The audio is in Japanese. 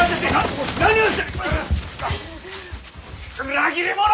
裏切り者！